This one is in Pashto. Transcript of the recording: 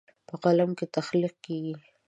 په قلم تخلیق کیږي.